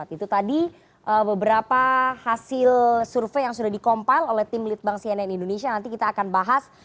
itu tadi beberapa hasil survei yang sudah di compale oleh tim litbang cnn indonesia nanti kita akan bahas